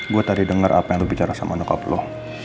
gue tadi denger apa yang lu bicara sama nukap lo